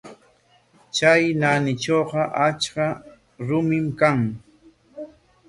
Chay naanitrawqa achka rumim kan.